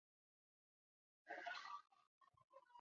金太宗完颜晟。